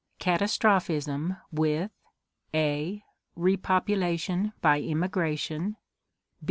Catastrophism with a. Repopulation by immigration.